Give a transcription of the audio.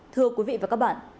thưa quý vị và các bạn